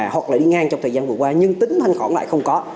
hoặc là đi ngang trong thời gian vừa qua nhưng tính thanh khoản lại không có